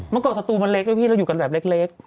เมื่อก่อนสตูมันเล็กด้วยพี่เราอยู่กันแบบเล็ก